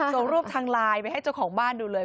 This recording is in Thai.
ส่งรูปทางไลน์ไปให้เจ้าของบ้านดูเลย